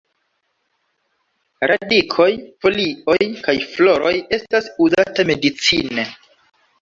Radikoj, folioj kaj floroj estas uzata medicine.